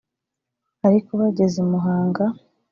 ariko bageze i Muhanga